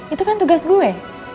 itu kan tugas gue